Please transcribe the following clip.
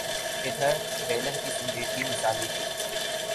ادھر ڈیلن کی سنجیدگی مثالی تھی۔